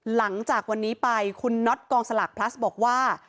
หลังจากวันนี้ไปคุณน็อตกองสลากพลัสบอกว่า